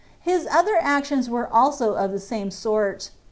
His other actions were also of the same sort.